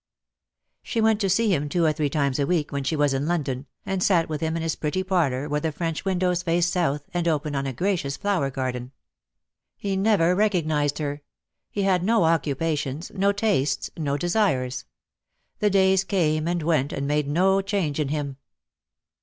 She went to see him two or three times a week, when she was in London, and sat with him m his pretty parlour, where the French windows faced south, and opened on a gracious flower garden. He 94 DEAD LOVE HAS CHAINS. never recognised her. He had no occupations, no tastes, no desires. The days came and went and made no change in him.